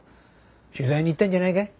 取材に行ったんじゃないかい？